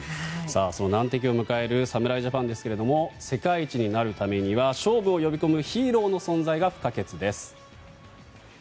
難敵を迎える侍ジャパンですが日本一になるためには勝利を呼び込むヒーローの存在が不可欠です。